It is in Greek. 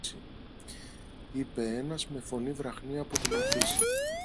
είπε ένας με φωνή βραχνή από το μεθύσι.